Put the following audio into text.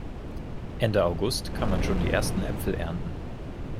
Ende August kann man schon die ersten Äpfel ernten.